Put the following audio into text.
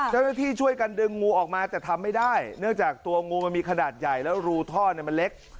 เจ้าหน้าที่ช่วยกันดึงงูออกมาแต่ทำไม่ได้เนื่องจากตัวงูมันมีขนาดใหญ่แล้วรูท่อมันเล็ก